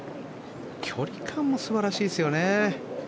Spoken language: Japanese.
距離感も素晴らしいですよね。